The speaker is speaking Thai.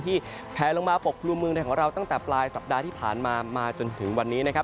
แผลลงมาปกครุมเมืองไทยของเราตั้งแต่ปลายสัปดาห์ที่ผ่านมามาจนถึงวันนี้นะครับ